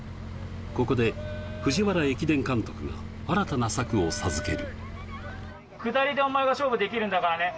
ここで藤原駅伝監督が新たな策を授ける。